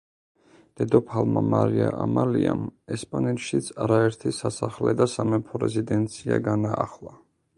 დედოფალმა მარია ამალიამ ესპანეთშიც არაერთი სასახლე და სამეფო რეზიდენცია განაახლა.